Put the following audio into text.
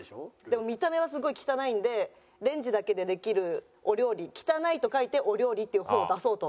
でも見た目はすごい汚いんでレンジだけでできるお料理「汚い」と書いて「汚料理」っていう本を出そうとしてます。